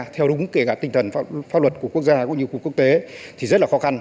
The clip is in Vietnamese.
theo đúng tinh thần pháp luật của quốc gia cũng như của quốc tế thì rất là khó khăn